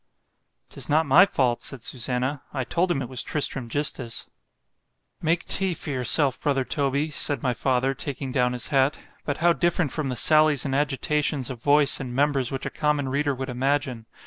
——'tis not my fault, said Susannah—I told him it was Tristram gistus. ——Make tea for yourself, brother Toby, said my father, taking down his hat——but how different from the sallies and agitations of voice and members which a common reader would imagine!